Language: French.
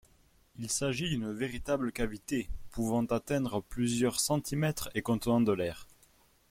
Il s'agit d'une véritable cavité, pouvant atteindre plusieurs centimètres et contenant de l'air.